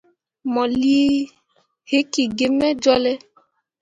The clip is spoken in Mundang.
Mo lii hikki gi me jolle.